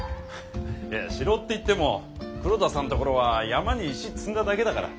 いや城っていっても黒田さんの所は山に石積んだだけだから。